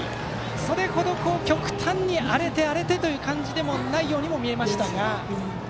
それほど極端に荒れてという感じでもないようにも見えましたが。